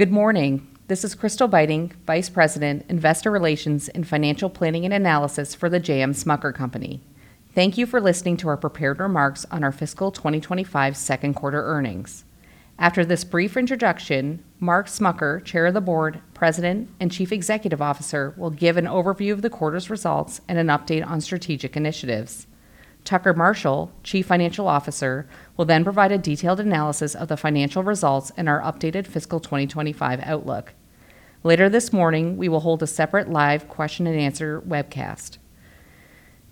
Good morning. This is Crystal Beiting, Vice President, Investor Relations and Financial Planning and Analysis for the J. M. Smucker Company. Thank you for listening to our prepared remarks on our fiscal 2025 second quarter earnings. After this brief introduction, Mark Smucker, Chair of the Board, President, and Chief Executive Officer, will give an overview of the quarter's results and an update on strategic initiatives. Tucker Marshall, Chief Financial Officer, will then provide a detailed analysis of the financial results and our updated fiscal 2025 outlook. Later this morning, we will hold a separate live question and answer webcast.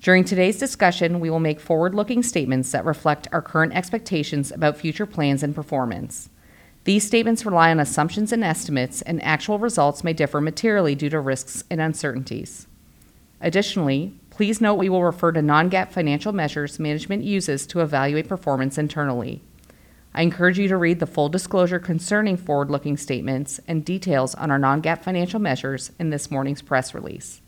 During today's discussion, we will make forward-looking statements that reflect our current expectations about future plans and performance. These statements rely on assumptions and estimates, and actual results may differ materially due to risks and uncertainties. Additionally, please note we will refer to non-GAAP financial measures management uses to evaluate performance internally. I encourage you to read the full disclosure concerning forward-looking statements and details on our non-GAAP financial measures in this morning's press release.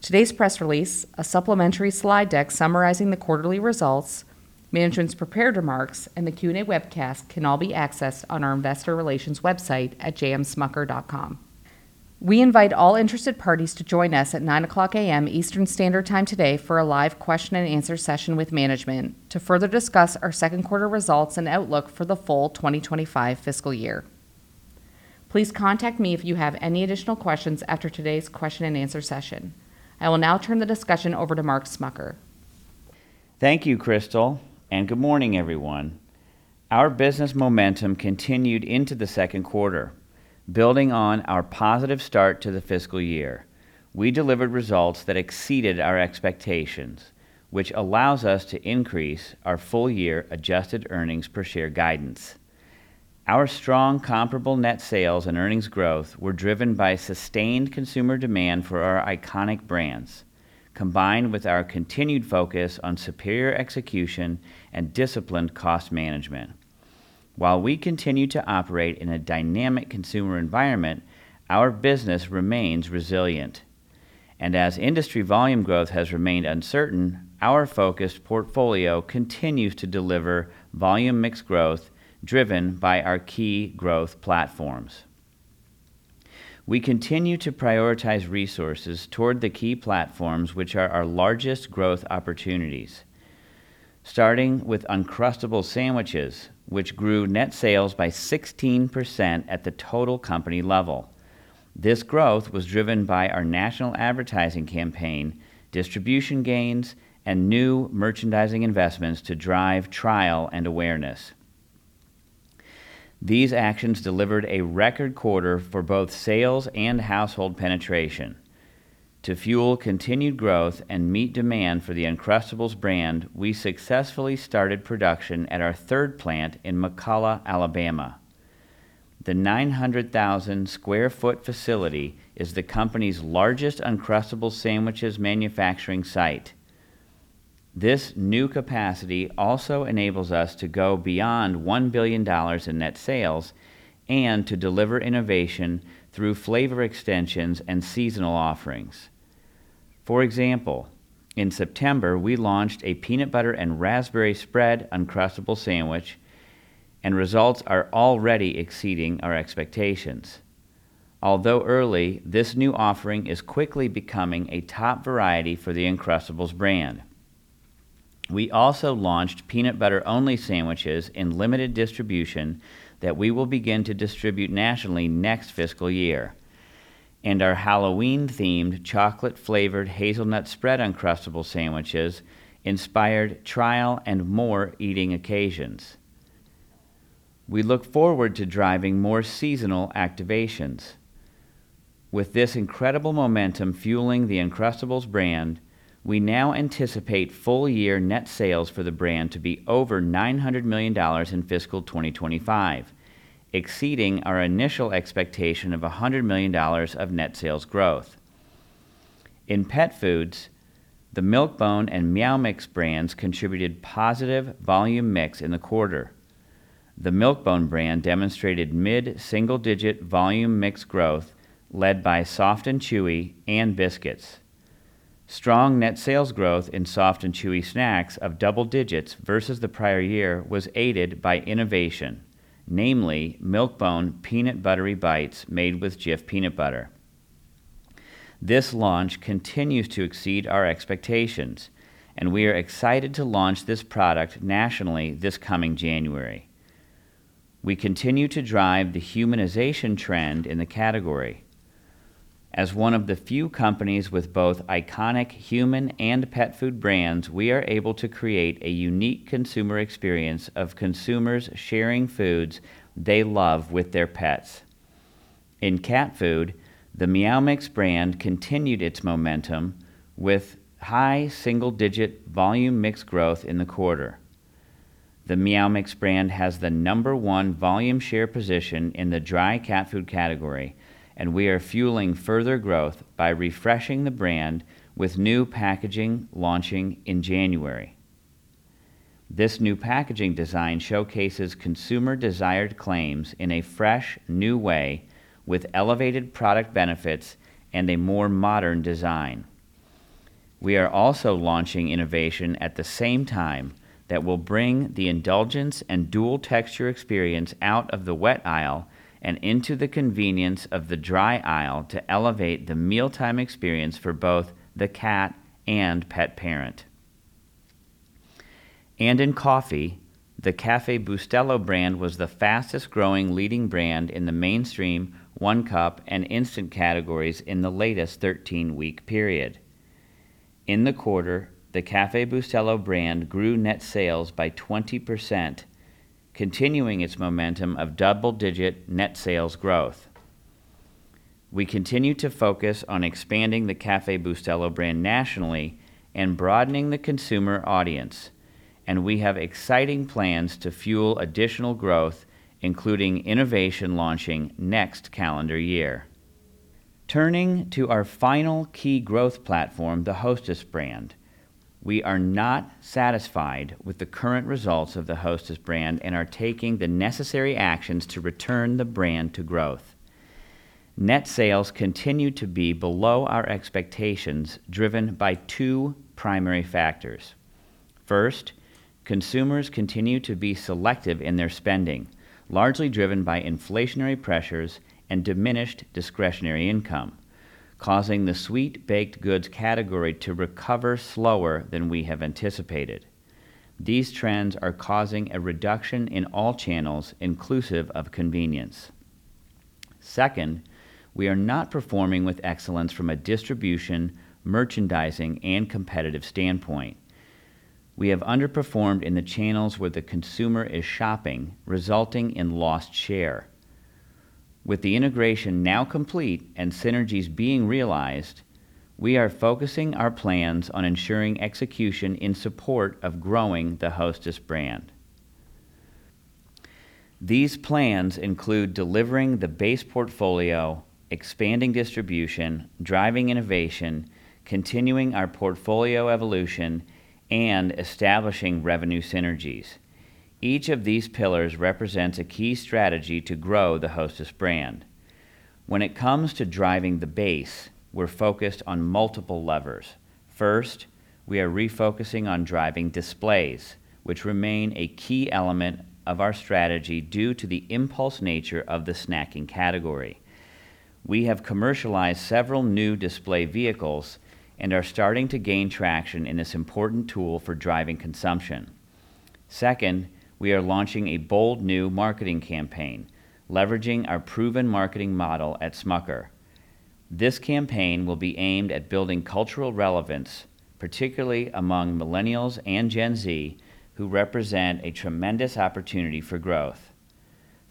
Today's press release, a supplementary slide deck summarizing the quarterly results, management's prepared remarks, and the Q&A webcast can all be accessed on our Investor Relations website at jmsmucker.com. We invite all interested parties to join us at 9:00 A.M. Eastern Standard Time today for a live question and answer session with management to further discuss our second quarter results and outlook for the full 2025 fiscal year. Please contact me if you have any additional questions after today's question and answer session. I will now turn the discussion over to Mark Smucker. Thank you, Crystal, and good morning, everyone. Our business momentum continued into the second quarter, building on our positive start to the fiscal year. We delivered results that exceeded our expectations, which allows us to increase our full-year adjusted earnings per share guidance. Our strong comparable net sales and earnings growth were driven by sustained consumer demand for our iconic brands, combined with our continued focus on superior execution and disciplined cost management. While we continue to operate in a dynamic consumer environment, our business remains resilient. And as industry volume growth has remained uncertain, our focused portfolio continues to deliver volume mix growth driven by our key growth platforms. We continue to prioritize resources toward the key platforms which are our largest growth opportunities, starting with Uncrustables sandwiches, which grew net sales by 16% at the total company level. This growth was driven by our national advertising campaign, distribution gains, and new merchandising investments to drive trial and awareness. These actions delivered a record quarter for both sales and household penetration. To fuel continued growth and meet demand for the Uncrustables brand, we successfully started production at our third plant in McCalla, Alabama. The 900,000 sq ft facility is the company's largest Uncrustables sandwiches manufacturing site. This new capacity also enables us to go beyond $1 billion in net sales and to deliver innovation through flavor extensions and seasonal offerings. For example, in September, we launched a peanut butter and raspberry spread Uncrustables sandwich, and results are already exceeding our expectations. Although early, this new offering is quickly becoming a top variety for the Uncrustables brand. We also launched peanut butter-only sandwiches in limited distribution that we will begin to distribute nationally next fiscal year, and our Halloween-themed chocolate-flavored hazelnut spread Uncrustables sandwiches inspired trial and more eating occasions. We look forward to driving more seasonal activations. With this incredible momentum fueling the Uncrustables brand, we now anticipate full-year net sales for the brand to be over $900 million in fiscal 2025, exceeding our initial expectation of $100 million of net sales growth. In pet foods, the Milk-Bone and Meow Mix brands contributed positive volume mix in the quarter. The Milk-Bone brand demonstrated mid-single digit volume mix growth led by Soft and Chewy and Biscuits. Strong net sales growth in Soft and Chewy snacks of double digits versus the prior year was aided by innovation, namely Milk-Bone Peanut Buttery Bites made with Jif peanut butter. This launch continues to exceed our expectations, and we are excited to launch this product nationally this coming January. We continue to drive the humanization trend in the category. As one of the few companies with both iconic human and pet food brands, we are able to create a unique consumer experience of consumers sharing foods they love with their pets. In cat food, the Meow Mix brand continued its momentum with high single digit volume mix growth in the quarter. The Meow Mix brand has the number one volume share position in the dry cat food category, and we are fueling further growth by refreshing the brand with new packaging launching in January. This new packaging design showcases consumer desired claims in a fresh new way with elevated product benefits and a more modern design. We are also launching innovation at the same time that will bring the indulgence and dual texture experience out of the wet aisle and into the convenience of the dry aisle to elevate the mealtime experience for both the cat and pet parent. And in coffee, the Café Bustelo brand was the fastest growing leading brand in the mainstream one cup and instant categories in the latest 13-week period. In the quarter, the Café Bustelo brand grew net sales by 20%, continuing its momentum of double digit net sales growth. We continue to focus on expanding the Café Bustelo brand nationally and broadening the consumer audience, and we have exciting plans to fuel additional growth, including innovation launching next calendar year. Turning to our final key growth platform, the Hostess brand, we are not satisfied with the current results of the Hostess brand and are taking the necessary actions to return the brand to growth. Net sales continue to be below our expectations driven by two primary factors. First, consumers continue to be selective in their spending, largely driven by inflationary pressures and diminished discretionary income, causing the sweet baked goods category to recover slower than we have anticipated. These trends are causing a reduction in all channels, inclusive of convenience. Second, we are not performing with excellence from a distribution, merchandising, and competitive standpoint. We have underperformed in the channels where the consumer is shopping, resulting in lost share. With the integration now complete and synergies being realized, we are focusing our plans on ensuring execution in support of growing the Hostess brand. These plans include delivering the base portfolio, expanding distribution, driving innovation, continuing our portfolio evolution, and establishing revenue synergies. Each of these pillars represents a key strategy to grow the Hostess brand. When it comes to driving the base, we're focused on multiple levers. First, we are refocusing on driving displays, which remain a key element of our strategy due to the impulse nature of the snacking category. We have commercialized several new display vehicles and are starting to gain traction in this important tool for driving consumption. Second, we are launching a bold new marketing campaign, leveraging our proven marketing model at Smucker. This campaign will be aimed at building cultural relevance, particularly among millennials and Gen Z, who represent a tremendous opportunity for growth.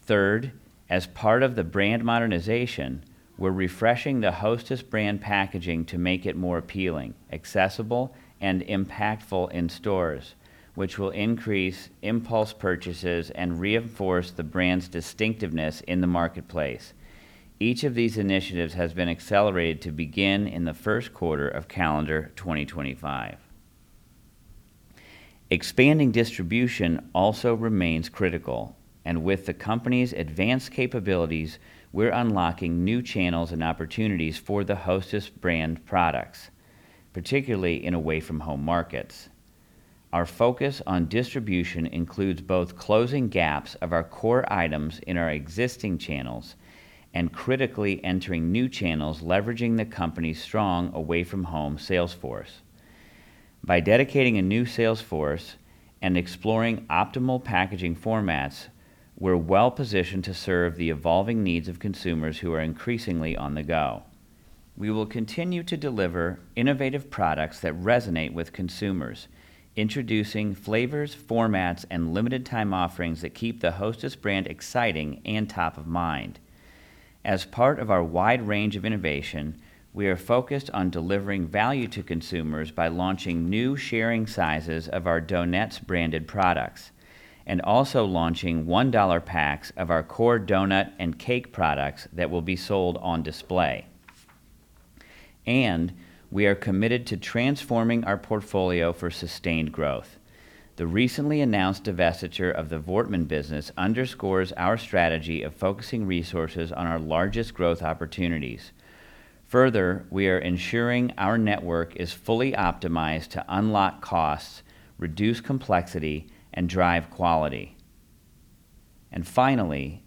Third, as part of the brand modernization, we're refreshing the Hostess brand packaging to make it more appealing, accessible, and impactful in stores, which will increase impulse purchases and reinforce the brand's distinctiveness in the marketplace. Each of these initiatives has been accelerated to begin in the first quarter of calendar 2025. Expanding distribution also remains critical, and with the company's advanced capabilities, we're unlocking new channels and opportunities for the Hostess brand products, particularly in away-from-home markets. Our focus on distribution includes both closing gaps of our core items in our existing channels and critically entering new channels, leveraging the company's strong away-from-home sales force. By dedicating a new sales force and exploring optimal packaging formats, we're well positioned to serve the evolving needs of consumers who are increasingly on the go. We will continue to deliver innovative products that resonate with consumers, introducing flavors, formats, and limited-time offerings that keep the Hostess brand exciting and top of mind. As part of our wide range of innovation, we are focused on delivering value to consumers by launching new sharing sizes of our Donettes branded products and also launching $1 packs of our core donut and cake products that will be sold on display. We are committed to transforming our portfolio for sustained growth. The recently announced divestiture of the Voortman business underscores our strategy of focusing resources on our largest growth opportunities. Further, we are ensuring our network is fully optimized to unlock costs, reduce complexity, and drive quality. Finally,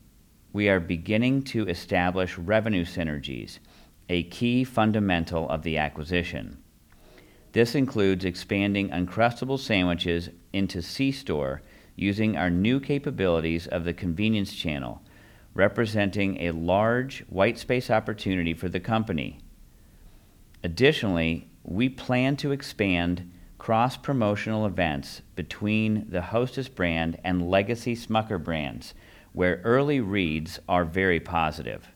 we are beginning to establish revenue synergies, a key fundamental of the acquisition. This includes expanding Uncrustables into C-store using our new capabilities of the convenience channel, representing a large white space opportunity for the company. Additionally, we plan to expand cross-promotional events between the Hostess brand and legacy Smucker brands, where early reads are very positive.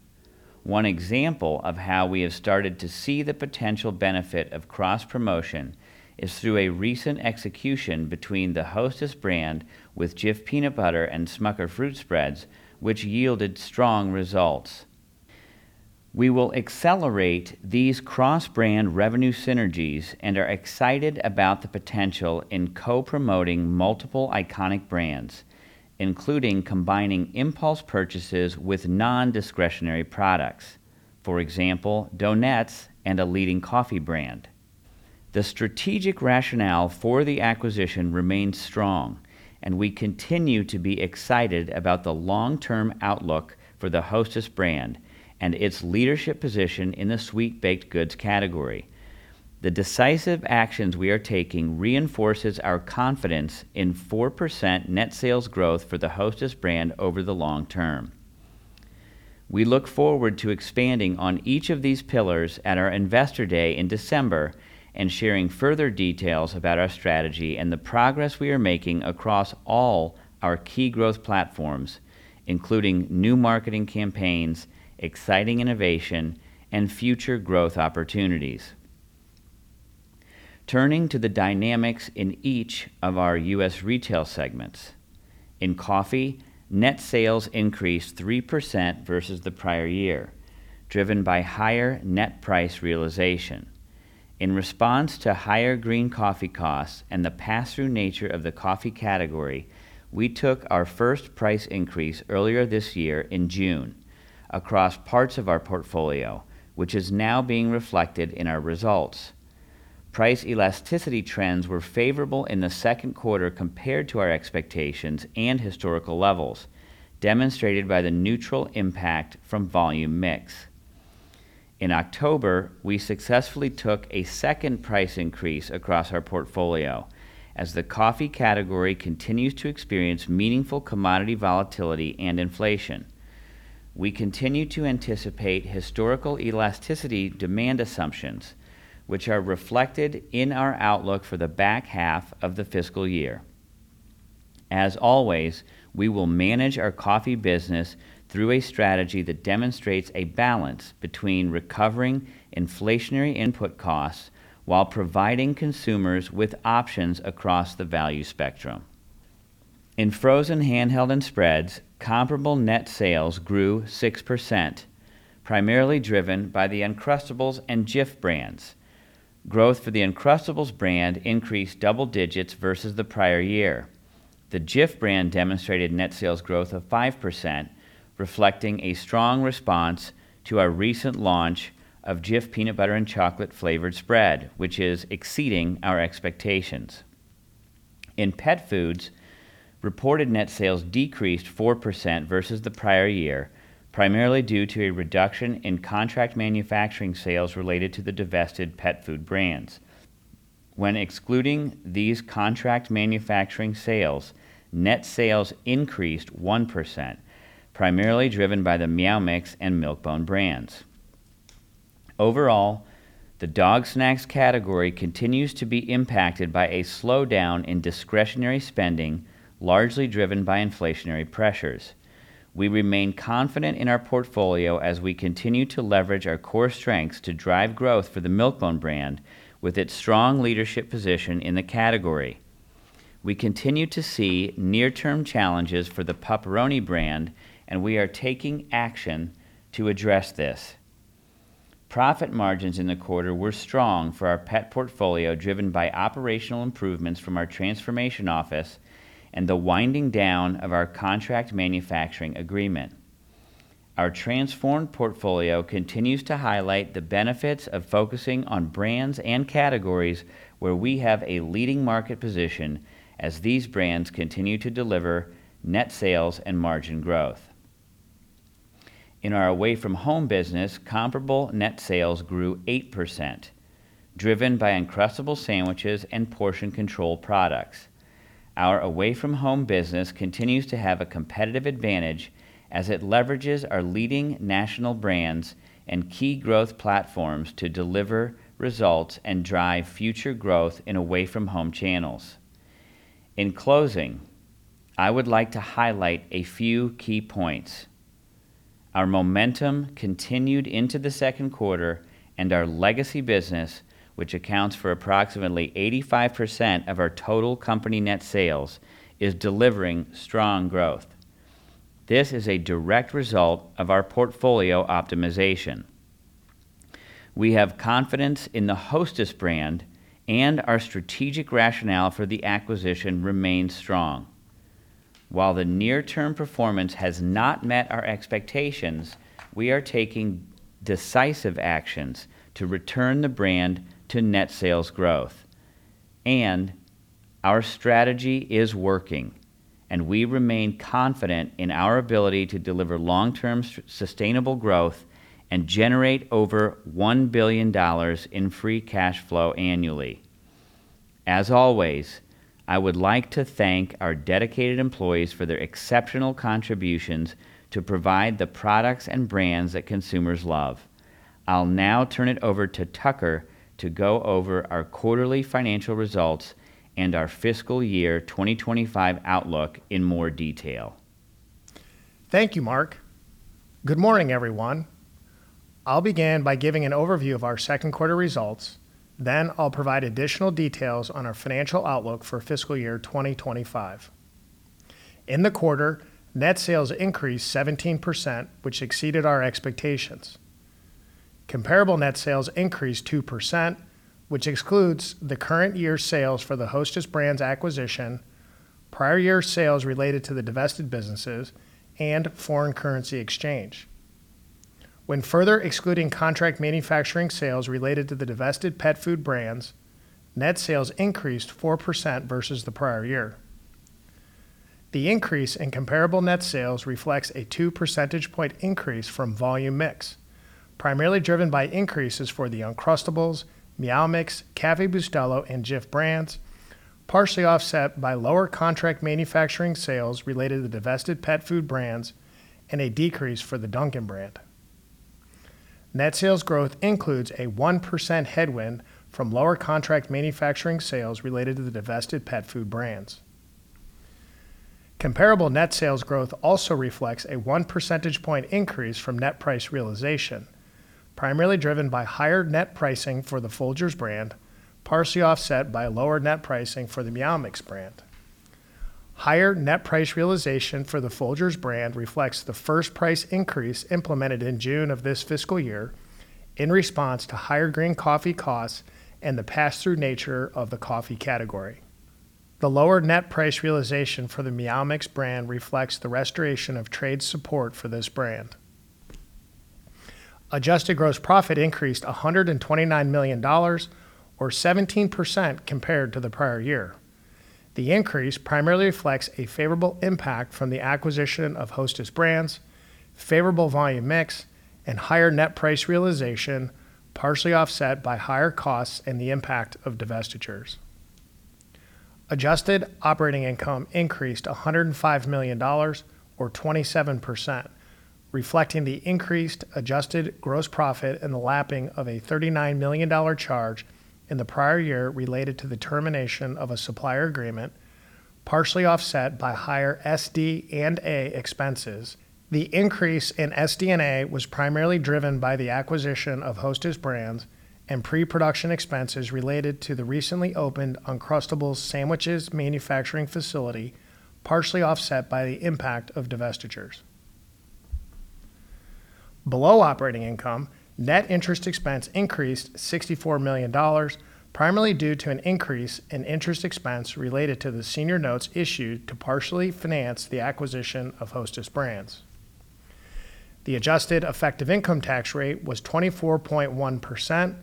One example of how we have started to see the potential benefit of cross-promotion is through a recent execution between the Hostess brand with Jif peanut butter and Smucker fruit spreads, which yielded strong results. We will accelerate these cross-brand revenue synergies and are excited about the potential in co-promoting multiple iconic brands, including combining impulse purchases with non-discretionary products, for example, Donettes and a leading coffee brand. The strategic rationale for the acquisition remains strong, and we continue to be excited about the long-term outlook for the Hostess brand and its leadership position in the sweet baked goods category. The decisive actions we are taking reinforces our confidence in 4% net sales growth for the Hostess brand over the long term. We look forward to expanding on each of these pillars at our investor day in December and sharing further details about our strategy and the progress we are making across all our key growth platforms, including new marketing campaigns, exciting innovation, and future growth opportunities. Turning to the dynamics in each of our U.S. retail segments, in coffee, net sales increased 3% versus the prior year, driven by higher net price realization. In response to higher green coffee costs and the pass-through nature of the coffee category, we took our first price increase earlier this year in June across parts of our portfolio, which is now being reflected in our results. Price elasticity trends were favorable in the second quarter compared to our expectations and historical levels, demonstrated by the neutral impact from volume mix. In October, we successfully took a second price increase across our portfolio as the coffee category continues to experience meaningful commodity volatility and inflation. We continue to anticipate historical elasticity demand assumptions, which are reflected in our outlook for the back half of the fiscal year. As always, we will manage our coffee business through a strategy that demonstrates a balance between recovering inflationary input costs while providing consumers with options across the value spectrum. In frozen handheld and spreads, comparable net sales grew 6%, primarily driven by the Uncrustables and Jif brands. Growth for the Uncrustables brand increased double digits versus the prior year. The Jif brand demonstrated net sales growth of 5%, reflecting a strong response to our recent launch of Jif peanut butter and chocolate flavored spread, which is exceeding our expectations. In pet foods, reported net sales decreased 4% versus the prior year, primarily due to a reduction in contract manufacturing sales related to the divested pet food brands. When excluding these contract manufacturing sales, net sales increased 1%, primarily driven by the Meow Mix and Milk-Bone brands. Overall, the dog snacks category continues to be impacted by a slowdown in discretionary spending, largely driven by inflationary pressures. We remain confident in our portfolio as we continue to leverage our core strengths to drive growth for the Milk-Bone brand with its strong leadership position in the category. We continue to see near-term challenges for the Pup-Peroni brand, and we are taking action to address this. Profit margins in the quarter were strong for our pet portfolio, driven by operational improvements from our transformation office and the winding down of our contract manufacturing agreement. Our transformed portfolio continues to highlight the benefits of focusing on brands and categories where we have a leading market position as these brands continue to deliver net sales and margin growth. In our away-from-home business, comparable net sales grew 8%, driven by Uncrustables and portion control products. Our away-from-home business continues to have a competitive advantage as it leverages our leading national brands and key growth platforms to deliver results and drive future growth in away-from-home channels. In closing, I would like to highlight a few key points. Our momentum continued into the second quarter, and our legacy business, which accounts for approximately 85% of our total company net sales, is delivering strong growth. This is a direct result of our portfolio optimization. We have confidence in the Hostess brand, and our strategic rationale for the acquisition remains strong. While the near-term performance has not met our expectations, we are taking decisive actions to return the brand to net sales growth, and our strategy is working, and we remain confident in our ability to deliver long-term sustainable growth and generate over $1 billion in free cash flow annually. As always, I would like to thank our dedicated employees for their exceptional contributions to provide the products and brands that consumers love. I'll now turn it over to Tucker to go over our quarterly financial results and our fiscal year 2025 outlook in more detail. Thank you, Mark. Good morning, everyone. I'll begin by giving an overview of our second quarter results, then I'll provide additional details on our financial outlook for fiscal year 2025. In the quarter, net sales increased 17%, which exceeded our expectations. Comparable net sales increased 2%, which excludes the current year's sales for the Hostess Brands acquisition, prior year's sales related to the divested businesses, and foreign currency exchange. When further excluding contract manufacturing sales related to the divested pet food brands, net sales increased 4% versus the prior year. The increase in comparable net sales reflects a 2 percentage point increase from volume mix, primarily driven by increases for the Uncrustables, Meow Mix, Café Bustelo, and Jif brands, partially offset by lower contract manufacturing sales related to the divested pet food brands and a decrease for the Dunkin' brand. Net sales growth includes a 1% headwind from lower contract manufacturing sales related to the divested pet food brands. Comparable net sales growth also reflects a 1 percentage point increase from net price realization, primarily driven by higher net pricing for the Folgers brand, partially offset by lower net pricing for the Meow Mix brand. Higher net price realization for the Folgers brand reflects the first price increase implemented in June of this fiscal year in response to higher green coffee costs and the pass-through nature of the coffee category. The lower net price realization for the Meow Mix brand reflects the restoration of trade support for this brand. Adjusted gross profit increased $129 million, or 17% compared to the prior year. The increase primarily reflects a favorable impact from the acquisition of Hostess Brands, favorable volume mix, and higher net price realization, partially offset by higher costs and the impact of divestitures. Adjusted operating income increased $105 million, or 27%, reflecting the increased adjusted gross profit in the lapping of a $39 million charge in the prior year related to the termination of a supplier agreement, partially offset by higher SD&A expenses. The increase in SD&A was primarily driven by the acquisition of Hostess Brands and pre-production expenses related to the recently opened Uncrustables sandwiches manufacturing facility, partially offset by the impact of divestitures. Below operating income, net interest expense increased $64 million, primarily due to an increase in interest expense related to the senior notes issued to partially finance the acquisition of Hostess Brands. The adjusted effective income tax rate was 24.1%,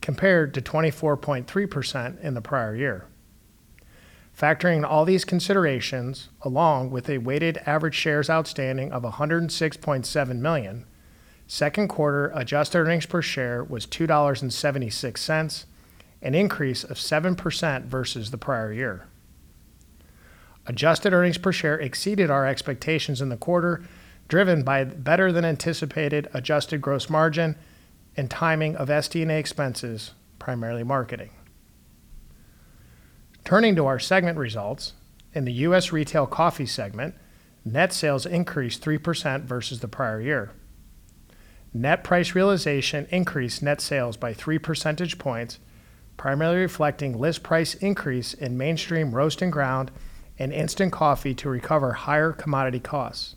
compared to 24.3% in the prior year. Factoring all these considerations, along with a weighted-average shares outstanding of $106.7 million, second quarter adjusted earnings per share was $2.76, an increase of 7% versus the prior year. Adjusted earnings per share exceeded our expectations in the quarter, driven by better than anticipated adjusted gross margin and timing of SD&A expenses, primarily marketing. Turning to our segment results, in the U.S. retail coffee segment, net sales increased 3% versus the prior year. Net price realization increased net sales by 3 percentage points, primarily reflecting list price increase in mainstream roast and ground and instant coffee to recover higher commodity costs.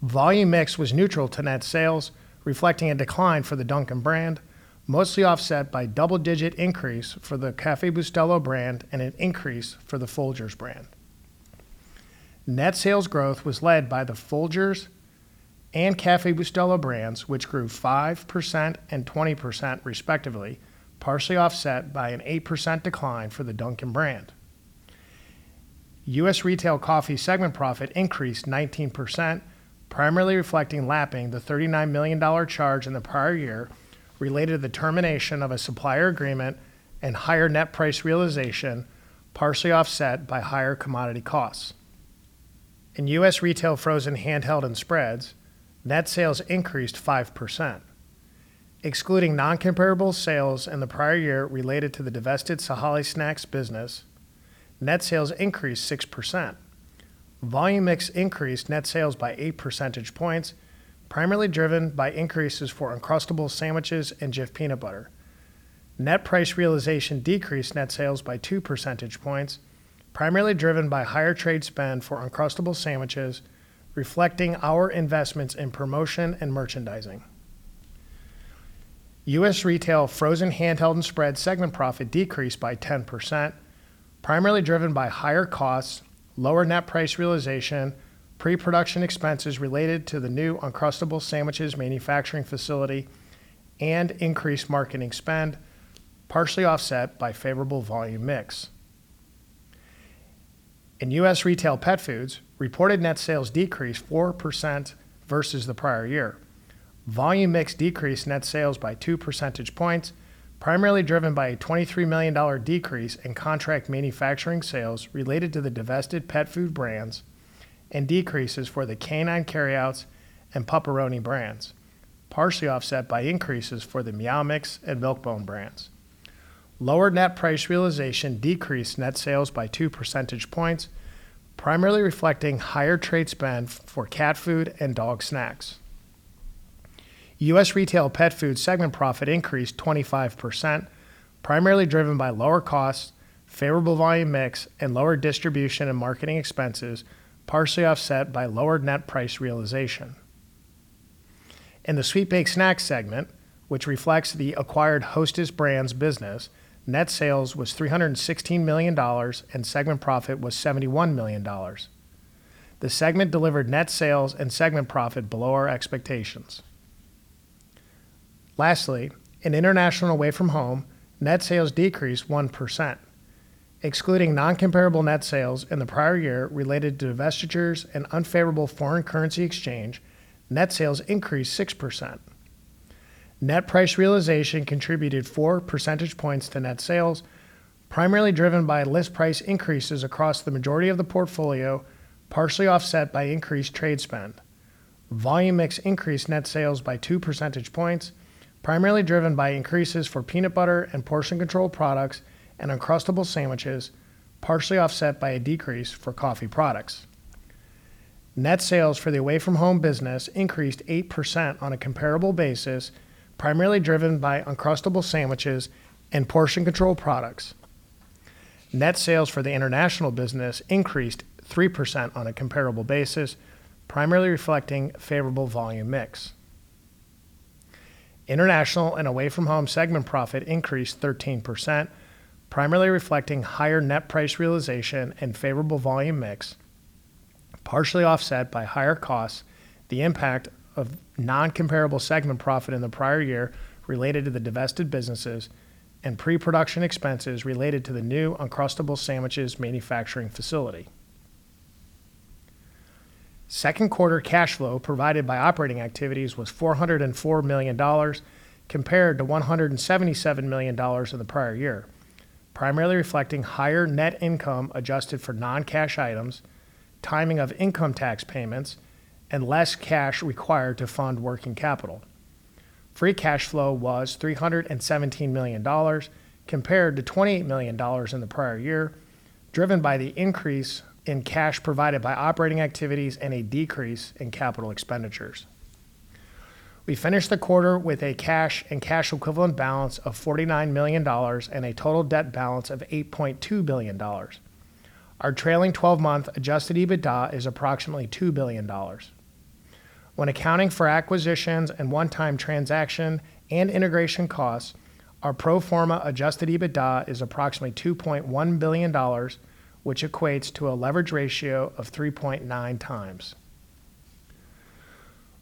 Volume mix was neutral to net sales, reflecting a decline for the Dunkin' brand, mostly offset by double-digit increase for the Café Bustelo brand and an increase for the Folgers brand. Net sales growth was led by the Folgers and Café Bustelo brands, which grew 5% and 20% respectively, partially offset by an 8% decline for the Dunkin' brand. U.S. Retail coffee segment profit increased 19%, primarily reflecting lapping the $39 million charge in the prior year related to the termination of a supplier agreement and higher net price realization, partially offset by higher commodity costs. In U.S. retail frozen handheld and spreads, net sales increased 5%. Excluding non-comparable sales in the prior year related to the divested Sahale Snacks business, net sales increased 6%. Volume mix increased net sales by 8 percentage points, primarily driven by increases for Uncrustables sandwiches and Jif peanut butter. Net price realization decreased net sales by 2 percentage points, primarily driven by higher trade spend for Uncrustables sandwiches, reflecting our investments in promotion and merchandising. U.S. Retail frozen handheld and spread segment profit decreased by 10%, primarily driven by higher costs, lower net price realization, pre-production expenses related to the new Uncrustables sandwiches manufacturing facility, and increased marketing spend, partially offset by favorable volume mix. In U.S. retail pet foods, reported net sales decreased 4% versus the prior year. Volume mix decreased net sales by 2 percentage points, primarily driven by a $23 million decrease in contract manufacturing sales related to the divested pet food brands and decreases for the Canine Carry Outs and Pup-Peroni brands, partially offset by increases for the Meow Mix and Milk-Bone brands. Lower net price realization decreased net sales by 2 percentage points, primarily reflecting higher trade spend for cat food and dog snacks. U.S. Retail pet food segment profit increased 25%, primarily driven by lower costs, favorable volume mix, and lower distribution and marketing expenses, partially offset by lower net price realization. In the sweet baked snacks segment, which reflects the acquired Hostess Brands business, net sales was $316 million and segment profit was $71 million. The segment delivered net sales and segment profit below our expectations. Lastly, in international away-from-home, net sales decreased 1%. Excluding non-comparable net sales in the prior year related to divestitures and unfavorable foreign currency exchange, net sales increased 6%. Net price realization contributed 4 percentage points to net sales, primarily driven by list price increases across the majority of the portfolio, partially offset by increased trade spend. Volume mix increased net sales by 2 percentage points, primarily driven by increases for peanut butter and portion control products and Uncrustables sandwiches, partially offset by a decrease for coffee products. Net sales for the away-from-home business increased 8% on a comparable basis, primarily driven by Uncrustables sandwiches and portion control products. Net sales for the international business increased 3% on a comparable basis, primarily reflecting favorable volume mix. International and away-from-home segment profit increased 13%, primarily reflecting higher net price realization and favorable volume mix, partially offset by higher costs, the impact of non-comparable segment profit in the prior year related to the divested businesses and pre-production expenses related to the new Uncrustables sandwiches manufacturing facility. Second quarter cash flow provided by operating activities was $404 million, compared to $177 million in the prior year, primarily reflecting higher net income adjusted for non-cash items, timing of income tax payments, and less cash required to fund working capital. Free cash flow was $317 million, compared to $28 million in the prior year, driven by the increase in cash provided by operating activities and a decrease in capital expenditures. We finished the quarter with a cash and cash equivalent balance of $49 million and a total debt balance of $8.2 billion. Our trailing 12-month adjusted EBITDA is approximately $2 billion. When accounting for acquisitions and one-time transaction and integration costs, our pro forma adjusted EBITDA is approximately $2.1 billion, which equates to a leverage ratio of 3.9 times.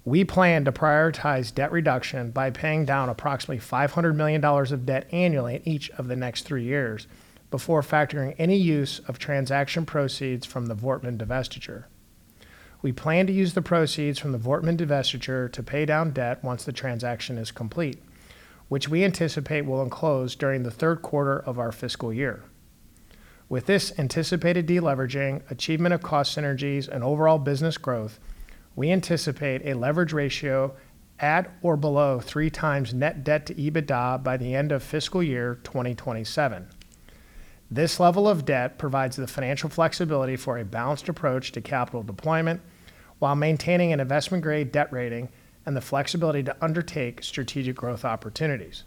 We plan to prioritize debt reduction by paying down approximately $500 million of debt annually in each of the next three years before factoring any use of transaction proceeds from the Voortman divestiture. We plan to use the proceeds from the Voortman divestiture to pay down debt once the transaction is complete, which we anticipate will close during the third quarter of our fiscal year. With this anticipated deleveraging, achievement of cost synergies, and overall business growth, we anticipate a leverage ratio at or below three times net debt to EBITDA by the end of fiscal year 2027. This level of debt provides the financial flexibility for a balanced approach to capital deployment while maintaining an investment-grade debt rating and the flexibility to undertake strategic growth opportunities.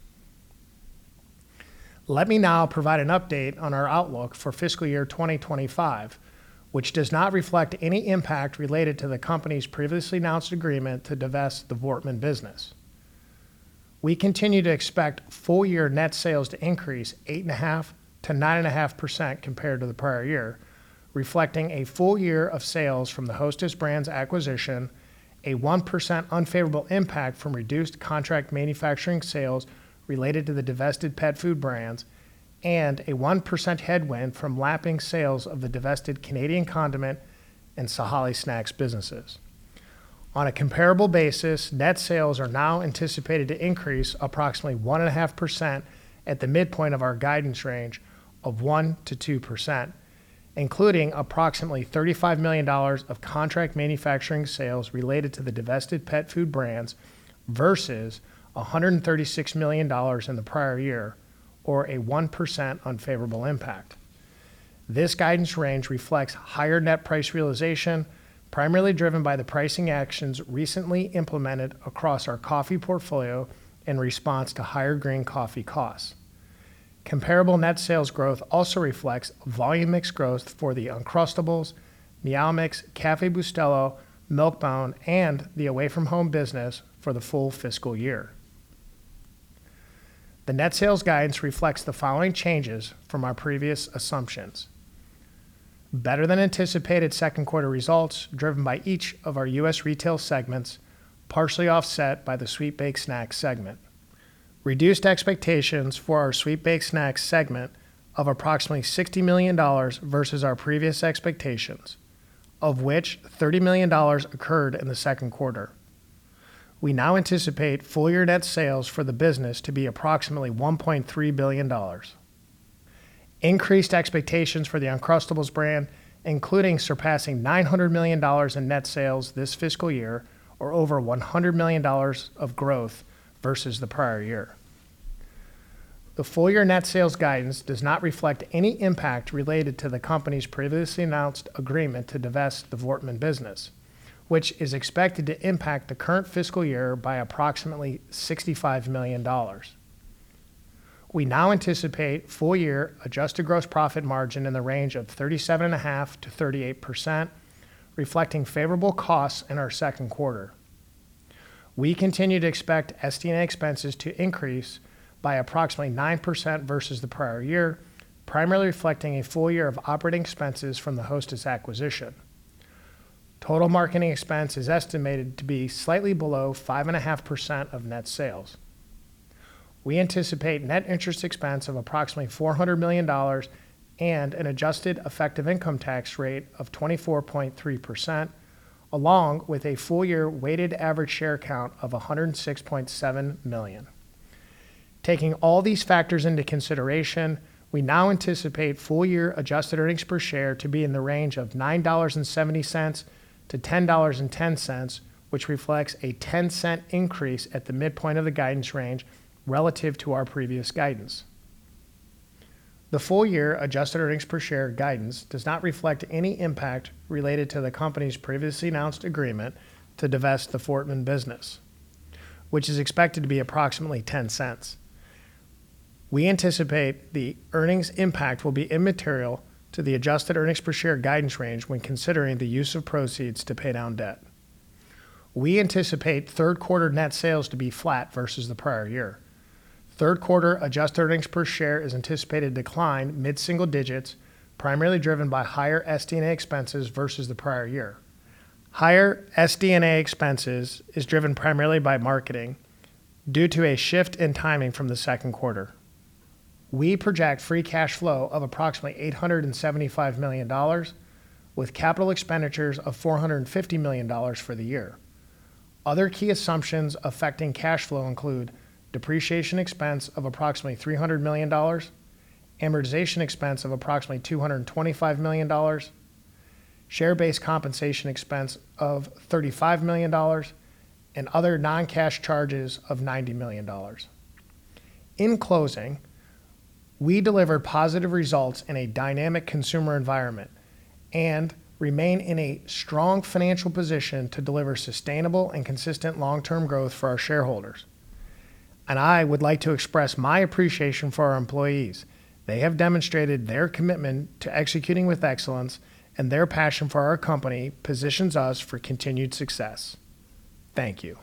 Let me now provide an update on our outlook for fiscal year 2025, which does not reflect any impact related to the company's previously announced agreement to divest the Voortman business. We continue to expect full-year net sales to increase 8.5%-9.5% compared to the prior year, reflecting a full year of sales from the Hostess Brands acquisition, a 1% unfavorable impact from reduced contract manufacturing sales related to the divested pet food brands, and a 1% headwind from lapping sales of the divested Canadian condiment and Sahale Snacks businesses. On a comparable basis, net sales are now anticipated to increase approximately 1.5% at the midpoint of our guidance range of 1%-2%, including approximately $35 million of contract manufacturing sales related to the divested pet food brands versus $136 million in the prior year, or a 1% unfavorable impact. This guidance range reflects higher net price realization, primarily driven by the pricing actions recently implemented across our coffee portfolio in response to higher green coffee costs. Comparable net sales growth also reflects volume mix growth for the Uncrustables, Meow Mix, Café Bustelo, Milk-Bone, and the away-from-home business for the full fiscal year. The net sales guidance reflects the following changes from our previous assumptions: better than anticipated second quarter results driven by each of our U.S. retail segments, partially offset by the sweet baked snacks segment. Reduced expectations for our sweet baked snacks segment of approximately $60 million versus our previous expectations, of which $30 million occurred in the second quarter. We now anticipate full-year net sales for the business to be approximately $1.3 billion. Increased expectations for the Uncrustables brand, including surpassing $900 million in net sales this fiscal year, or over $100 million of growth versus the prior year. The full-year net sales guidance does not reflect any impact related to the company's previously announced agreement to divest the Voortman business, which is expected to impact the current fiscal year by approximately $65 million. We now anticipate full-year adjusted gross profit margin in the range of 37.5%-38%, reflecting favorable costs in our second quarter. We continue to expect SD&A expenses to increase by approximately 9% versus the prior year, primarily reflecting a full year of operating expenses from the Hostess acquisition. Total marketing expense is estimated to be slightly below 5.5% of net sales. We anticipate net interest expense of approximately $400 million and an adjusted effective income tax rate of 24.3%, along with a full-year weighted average share count of 106.7 million. Taking all these factors into consideration, we now anticipate full-year adjusted earnings per share to be in the range of $9.70-$10.10, which reflects a 10% increase at the midpoint of the guidance range relative to our previous guidance. The full-year adjusted earnings per share guidance does not reflect any impact related to the company's previously announced agreement to divest the Voortman business, which is expected to be approximately $0.10. We anticipate the earnings impact will be immaterial to the adjusted earnings per share guidance range when considering the use of proceeds to pay down debt. We anticipate third quarter net sales to be flat versus the prior year. Third quarter adjusted earnings per share is anticipated to decline mid-single digits, primarily driven by higher SD&A expenses versus the prior year. Higher SD&A expenses is driven primarily by marketing due to a shift in timing from the second quarter. We project free cash flow of approximately $875 million, with capital expenditures of $450 million for the year. Other key assumptions affecting cash flow include depreciation expense of approximately $300 million, amortization expense of approximately $225 million, share-based compensation expense of $35 million, and other non-cash charges of $90 million. In closing, we deliver positive results in a dynamic consumer environment and remain in a strong financial position to deliver sustainable and consistent long-term growth for our shareholders. And I would like to express my appreciation for our employees. They have demonstrated their commitment to executing with excellence, and their passion for our company positions us for continued success. Thank you.